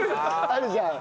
あるじゃん。